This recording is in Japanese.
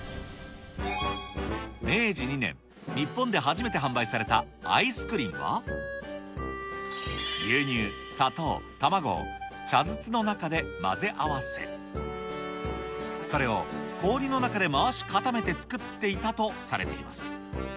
明治２年、日本で初めて販売されたあいすくりんは、牛乳、砂糖、卵を茶筒の中で混ぜ合わせ、それを氷の中で回し固めて作っていたとされています。